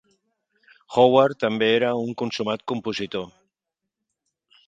Howard també era un consumat compositor.